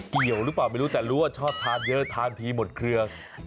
เกี่ยวรู้ป่ะไม่รู้แต่รู้ชอบทานเยอะทานถี่หมดเคลือก